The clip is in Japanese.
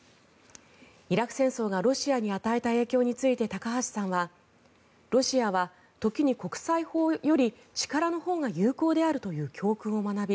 イラク戦争がロシアに与えた影響について高橋さんはロシアは、時に国際法より力のほうが有効であるという教訓を学び